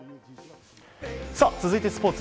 続いてスポーツ。